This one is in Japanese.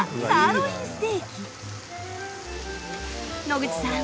野口さん